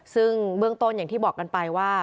ซึ่งเบื้องต้นอย่างที่บอกกันไปว่า